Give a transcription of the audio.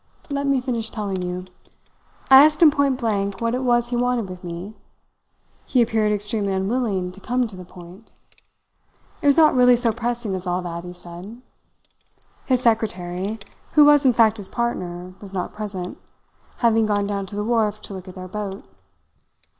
"Let me finish telling you. I asked him point blank what it was he wanted with me; he appeared extremely unwilling to come to the point. It was not really so pressing as all that, he said. His secretary, who was in fact his partner, was not present, having gone down to the wharf to look at their boat.